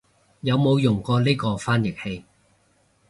有冇用過呢個翻譯器